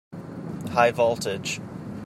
High voltage!